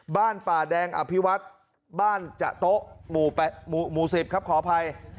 บ้านป่าแดงอภิวัฒน์บ้านจะโต๊ะหมู่๑๐ครับขออภัย